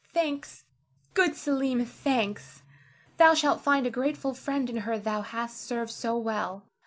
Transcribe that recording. Thanks, good Selim, thanks; thou shalt find a grateful friend in her thou hast served so well.